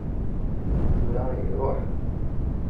Tura ihi ṛuḥ!